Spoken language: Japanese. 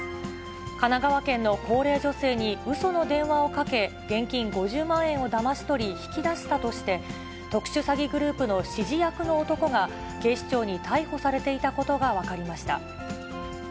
神奈川県の高齢女性にうその電話をかけ、現金５０万円をだまし取り、引き出したとして、特殊詐欺グループの指示役の男が警視庁に逮捕されていたことが分かりました。